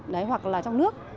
đấy hoặc là trong nước